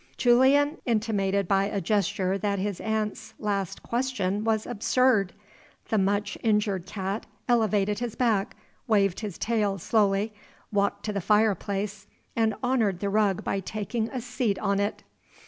Julian intimated by a gesture that his aunt's last question was absurd. (The much injured cat elevated his back, waved his tail slowly, walked to the fireplace, and honored the rug by taking a seat on it.)